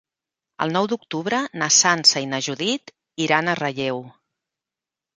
El nou d'octubre na Sança i na Judit iran a Relleu.